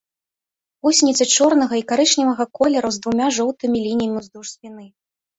Гусеніцы чорнага і карычневага колераў з двума жоўтымі лініямі ўздоўж спіны.